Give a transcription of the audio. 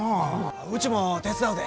うちも手伝うで。